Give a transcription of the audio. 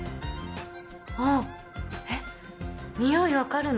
あっえっ匂い分かるの？